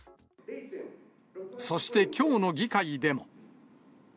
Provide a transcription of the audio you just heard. そしてきょうの議会でも。